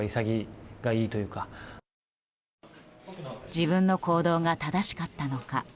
自分の行動が正しかったのか。